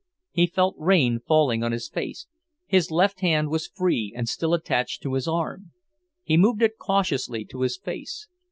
He felt rain falling on his face. His left hand was free, and still attached to his arm. He moved it cautiously to his face.